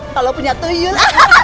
kalau punya tuyul